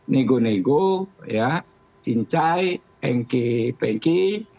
nego nego cincai hengki pengki